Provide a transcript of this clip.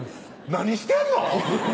何してんの⁉